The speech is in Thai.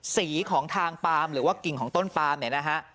สีของทางปามหรือว่ากิ่งของต้นปามเนี่ยนะฮะ